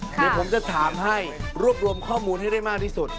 เดี๋ยวผมจะถามให้รวบรวมข้อมูลให้ได้มากที่สุด